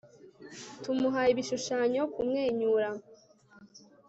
tumuhaye ibishushanyo, kumwenyura